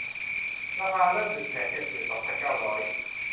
ราคาเริ่ม หนึ่งแสนเจ็ดหมื่นสองพันเก้าร้อย